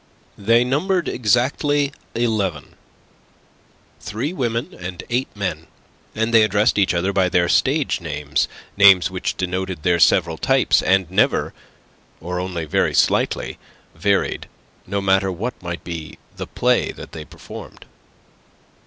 They numbered exactly eleven, three women and eight men; and they addressed each other by their stage names: names which denoted their several types, and never or only very slightly varied, no matter what might be the play that they performed.